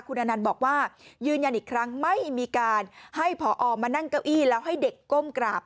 คุณอนันต์บอกว่ายืนยันอีกครั้งไม่มีการให้พอมานั่งเก้าอี้แล้วให้เด็กก้มกราบ